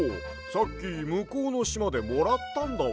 さっきむこうのしまでもらったんだわ。